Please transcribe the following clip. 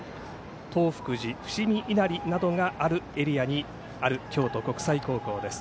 東福寺、伏見稲荷などがあるエリアにある京都国際高校です。